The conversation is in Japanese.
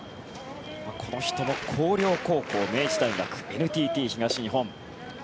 この人も広陵高校、明治大学ＮＴＴ東日本。